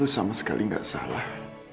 sama sekali gak salah